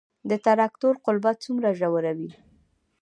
د تراکتور قلبه څومره ژوره وي؟